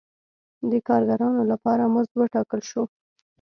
د کارګرانو لپاره مزد وټاکل شو.